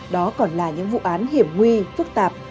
đó còn là những vụ án hiểm nguy phức tạp